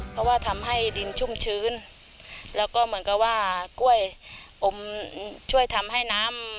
เพราะว่าทำให้ดินชุ่มชื้นแล้วก็เหมือนกับว่ากล้วยอมช่วยทำให้น้ำ